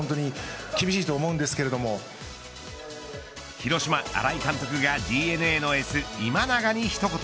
広島、新井監督がＤｅＮＡのエース、今永に一言。